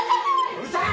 うるさい！